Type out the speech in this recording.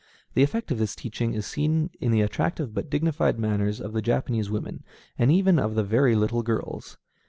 The effect of this teaching is seen in the attractive but dignified manners of the Japanese women, and even of the very little girls.